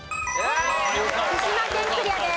福島県クリアです。